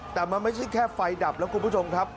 แต่มันไม่ใช่แค่ไฟดับแล้วคุณผู้ชมครับ